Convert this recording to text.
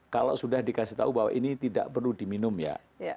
kalau sudah dikasih tahu bahwa ini tidak perlu diminum ya